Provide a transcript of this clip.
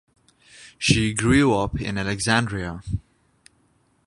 She grew up in Alexandria.